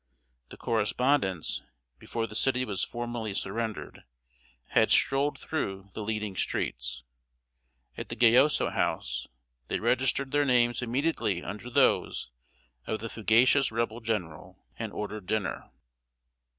The correspondents, before the city was formally surrendered, had strolled through the leading streets. At the Gayoso House they registered their names immediately under those of the fugacious Rebel general, and ordered dinner.